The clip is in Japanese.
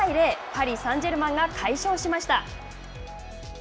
パリサンジェルマンが快勝しました。